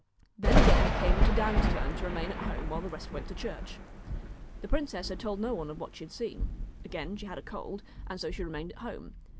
Then again it came to Dan's turn to remain at home while the rest went to church. The princess had told no one of what she had seen. Again she had a cold, and so she remained at home.